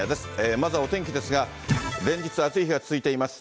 まずはお天気ですが、連日、暑い日が続いています。